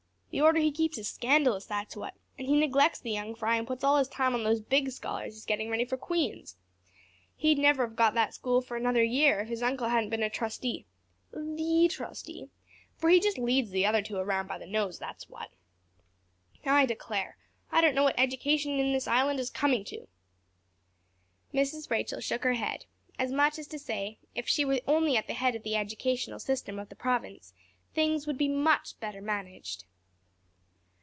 The order he keeps is scandalous, that's what, and he neglects the young fry and puts all his time on those big scholars he's getting ready for Queen's. He'd never have got the school for another year if his uncle hadn't been a trustee the trustee, for he just leads the other two around by the nose, that's what. I declare, I don't know what education in this Island is coming to." Mrs. Rachel shook her head, as much as to say if she were only at the head of the educational system of the Province things would be much better managed.